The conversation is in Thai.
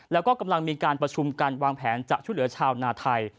แล้วก็กำลังมีการประชุมกันวางแผนจะช่วยเหลือชาวนาไทย